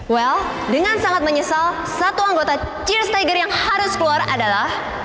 well dengan sangat menyesal satu anggota cheers tiger yang harus keluar adalah